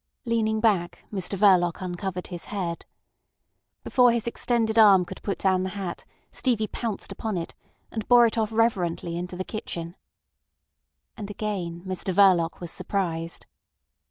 Leaning back, Mr Verloc uncovered his head. Before his extended arm could put down the hat Stevie pounced upon it, and bore it off reverently into the kitchen. And again Mr Verloc was surprised.